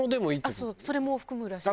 それも含むらしい。